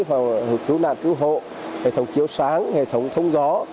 và cứu nạn cứu hộ hệ thống chiếu sáng hệ thống thông gió